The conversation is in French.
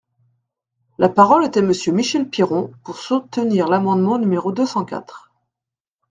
La parole est à Monsieur Michel Piron, pour soutenir l’amendement numéro deux cent quatre.